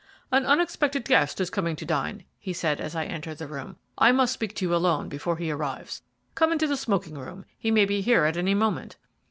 "An unexpected guest is coming to dine," he said, as I entered the room. "I must speak to you alone before he arrives. Come into the smoking room; he may be here at any moment."